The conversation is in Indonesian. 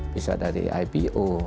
bisa dari ipo